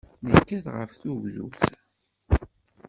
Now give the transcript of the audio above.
Nekkat ɣef tugdut.